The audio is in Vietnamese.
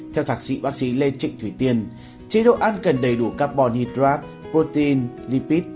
theo thạc sĩ bác sĩ lê trịnh thủy tiên chế độ ăn cần đầy đủ carbon hydrate potine lipid